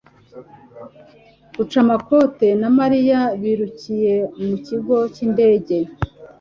Rucamakoti na Mariya birukiye mu kigo cy'indege.